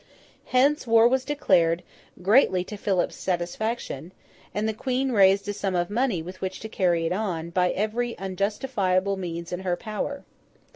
Hence, war was declared, greatly to Philip's satisfaction; and the Queen raised a sum of money with which to carry it on, by every unjustifiable means in her power.